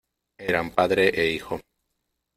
eran padre e hijo.